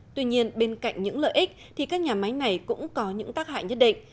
tuy nhiên bên cạnh những lợi ích thì các nhà máy này cũng có những tác hại nhất định